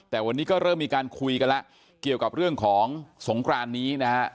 แต่วันนี้ก็เริ่มมีการคุยกันแล้วเกี่ยวกับเรื่องของสงครานนี้นะฮะ